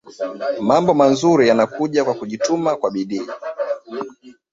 Mambo manzuri yanakuja kwa kujituma kwa bidii